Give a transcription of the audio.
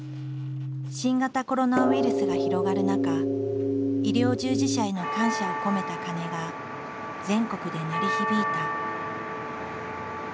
新型コロナウイルスが広がる中医療従事者への感謝を込めた鐘が全国で鳴り響いた。